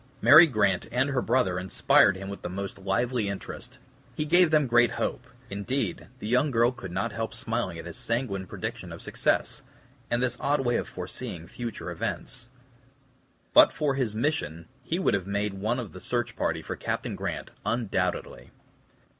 Mary Grant and her brother inspired him with the most lively interest. He gave them great hope; indeed, the young girl could not help smiling at his sanguine prediction of success, and this odd way of foreseeing future events. But for his mission he would have made one of the search party for Captain Grant, undoubtedly.